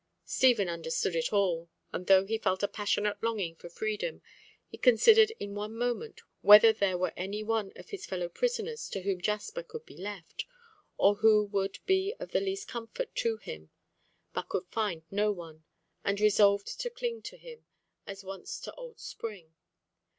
Stephen understood it all, and though he felt a passionate longing for freedom, he considered in one moment whether there were any one of his fellow prisoners to whom Jasper could be left, or who would be of the least comfort to him, but could find no one, and resolved to cling to him as once to old Spring.